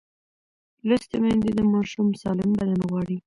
لوستې میندې د ماشوم سالم بدن غواړي.